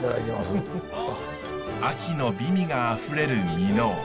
秋の美味があふれる箕面。